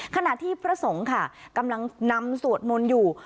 ขณะที่พระสงฆ์ค่ะกำลังนำสวดมนต์อยู่